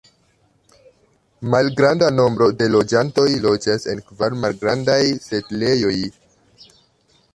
Malgranda nombro de loĝantoj loĝas en kvar malgrandaj setlejoj.